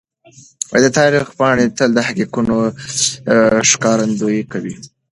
د تاریخ پاڼې تل د حقیقتونو ښکارندويي کوي.